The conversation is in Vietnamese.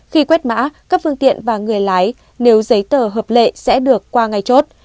khi quét mã các phương tiện và người lái nếu giấy tờ hợp lệ sẽ được qua ngay chốt